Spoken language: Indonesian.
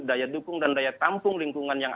daya dukung dan daya tampung lingkungan yang